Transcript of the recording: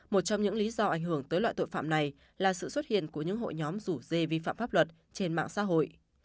một trong những lý do ảnh hưởng tới loại tội phạm này là sự xuất hiện của những hội nhóm rủ dê vi phạm pháp luật trên mạng xã hội